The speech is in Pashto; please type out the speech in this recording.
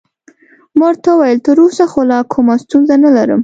ما ورته وویل: تراوسه خو لا کومه ستونزه نلرم.